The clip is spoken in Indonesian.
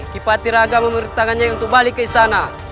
kipati raga memberi tangan nyai untuk balik ke istana